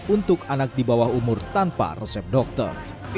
untuk anak di bawah umur tanpa resep dokter